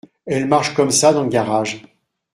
Elle marche comme ça dans le garage.